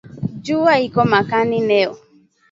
Juwa iko makali leo